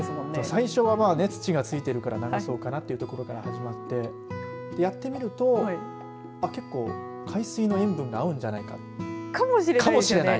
最初は土がついてるから流そうかなってところから始まってやってみると結構海水の塩分が合うんじゃないかかもしれないですよね。